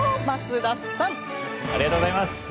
ありがとうございます！